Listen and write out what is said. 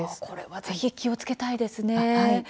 これは気をつけたいですね。